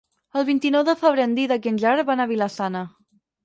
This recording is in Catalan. El vint-i-nou de febrer en Dídac i en Gerard van a Vila-sana.